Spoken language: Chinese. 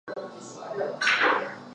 藏族一般没有姓氏。